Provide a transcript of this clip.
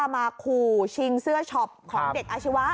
มาขู่ชิงเสื้อช็อปของเด็กอาชีวะ